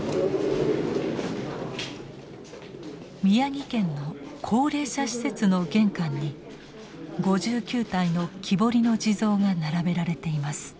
宮城県の高齢者施設の玄関に５９体の木彫りの地蔵が並べられています。